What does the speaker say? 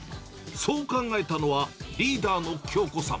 そう考えたのは、リーダーの京子さん。